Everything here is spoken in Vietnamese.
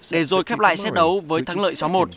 để rồi khép lại set đấu với thắng lợi sáu một